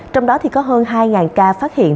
trong đó thì có hơn hai ca phát hiện